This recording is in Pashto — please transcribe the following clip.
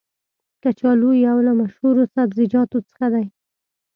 کچالو یو له مشهورو سبزیجاتو څخه دی.